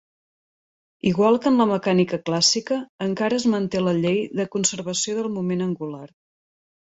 Igual que en la mecànica clàssica, encara es manté la llei de conservació del moment angular.